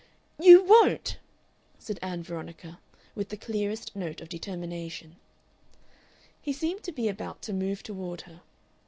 "You won't!" said Ann Veronica; with the clearest note of determination. He seemed to be about to move toward her.